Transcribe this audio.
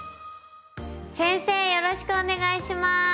よろしくお願いします。